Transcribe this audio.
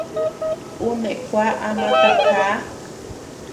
Ú neʼë kuaa ama takaa.